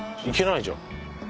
行けないじゃん。